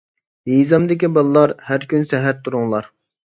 يېزامدىكى بالىلار، ھەر كۈن سەھەر تۇرۇڭلار.